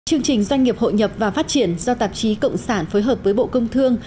chương trình doanh nghiệp hội nhập và phát triển do tạp chí cộng sản phối hợp với bộ công thương